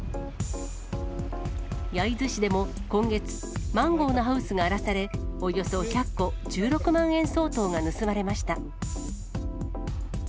焼津市でも今月、マンゴーのハウスが荒らされ、およそ１００個、１６万円相当が盗まれました。